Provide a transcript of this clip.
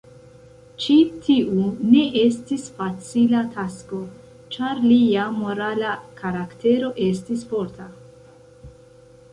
Ĉi tiu ne estis facila tasko, ĉar lia morala karaktero estis forta.